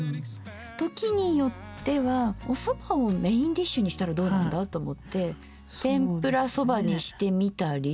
時によってはおそばをメインディッシュにしたらどうなんだと思って天ぷらそばにしてみたり。